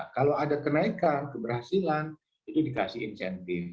kalau ada kenaikan keberhasilan itu dikasih insentif